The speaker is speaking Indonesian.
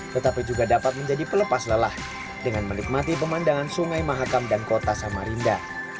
tetapi juga dapat menjadi pelepas lelah dengan menikmati pemandangan sungai mahakam dan kota samarinda